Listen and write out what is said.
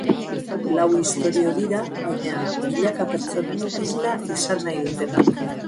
Lau istorio dira, baina milaka pertsonen isla izan nahi dutenak.